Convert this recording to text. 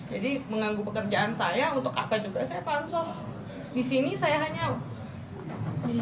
jadi menganggu pekerjaan saya untuk kakak juga saya pansos